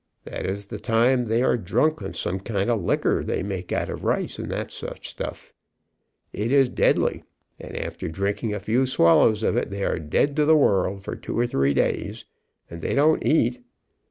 That is the time they are drunk on some kind of liquor they make out of rice, and such stuff. It is deadly, and after drinking a few swallows of it they are dead Let me tell you something. to the world for two or three days, and they don't eat.